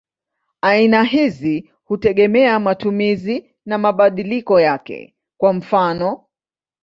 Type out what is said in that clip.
Aina hizi hutegemea matumizi na mabadiliko yake; kwa mfano.